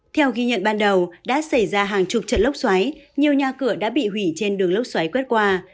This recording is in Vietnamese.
theo ghi nhận ban đầu đã xảy ra hàng chục trận lốc xoáy nhiều nhà cửa đã bị hủy trên đường lốc xoáy quét qua